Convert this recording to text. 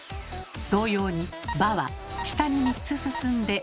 同様に「ば」は下に３つ進んで「べ」に。